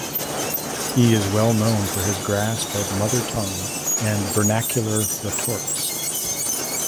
He is well known for his grasp of Mother Tongue and vernacular retorts.